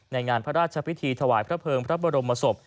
งานพระราชพิธีถวายพระเภิงพระบรมศพ